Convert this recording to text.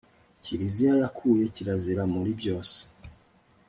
kiriziya yakuye kirazira muri byose